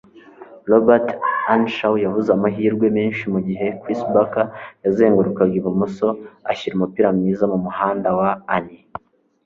Robert Earnshaw yabuze amahirwe menshi mugihe Chris Barker yazengurukaga ibumoso ashyira umupira mwiza mumuhanda wa Earnie.